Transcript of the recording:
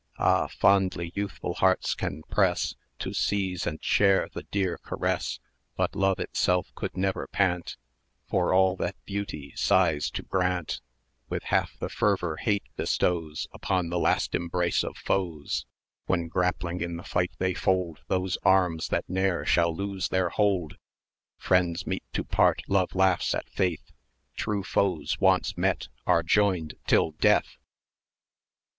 [dp] Ah! fondly youthful hearts can press, To seize and share the dear caress; But Love itself could never pant For all that Beauty sighs to grant With half the fervour Hate bestows Upon the last embrace of foes, 650 When grappling in the fight they fold Those arms that ne'er shall lose their hold: Friends meet to part; Love laughs at faith; True foes, once met, are joined till death!